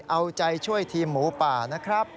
เอาใจช่วยทีมหมูป่านะครับ